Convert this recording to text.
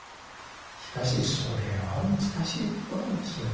しかしそれは難しいことなんですよね。